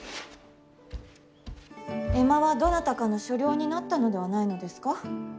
江間はどなたかの所領になったのではないのですか。